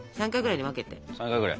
３回ぐらいに分けて。